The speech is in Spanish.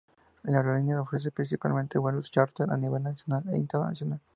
La aerolínea ofrece principalmente vuelos chárter a nivel nacional e internacional.